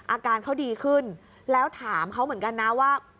อาการเขาดีขึ้นแล้วถามเขาเหมือนกันนะว่า